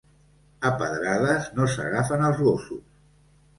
A pedrades no s'agafen els gossos.